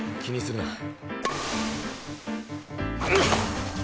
気にするな。